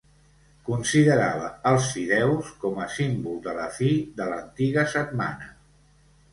Considerava els fideus com a símbol de la fi de l'antiga setmana.